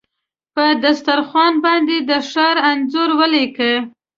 په دسترخوان باندې د ښار انځور ولیکې